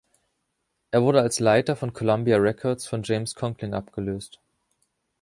Er wurde als Leiter von Columbia Records von James Conkling abgelöst.